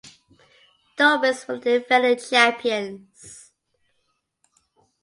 Dolphins were the defending champions.